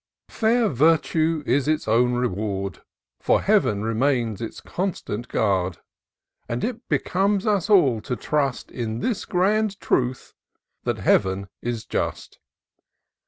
AIR Virtue is its own reward. For Heaven remains its constant guard ; And it becomes us all to trust In this grand truth— that Heaven is just.